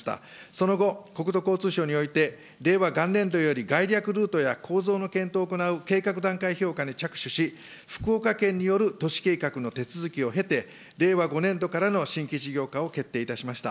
その後、国土交通省において、令和元年度より、概略ルートや構造の検討を行う計画段階評価に着手し、福岡県による都市計画の手続きを経て、令和５年度からの新規事業化を決定いたしました。